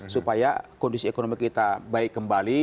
supaya kondisi ekonomi kita baik kembali